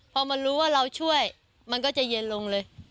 พอมารู้ว่าเราช่วยมันก็จะเย็นลงเลย